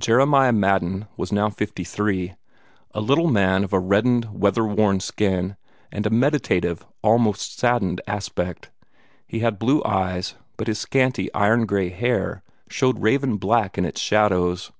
Jeremiah Madden was now fifty three a little man of a reddened, weather worn skin and a meditative, almost saddened, aspect. He had blue eyes, but his scanty iron gray hair showed raven black in its shadows.